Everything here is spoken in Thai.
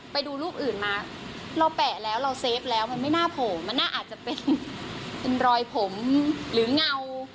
ไปดูรูปอื่นมาเราแปะแล้วเราเซฟแล้วมันไม่น่าโผล่มันน่าอาจจะเป็นรอยผมหรือเงา